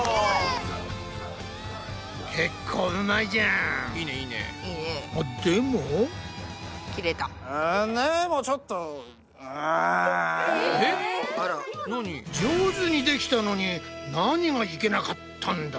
上手にできたのに何がいけなかったんだ？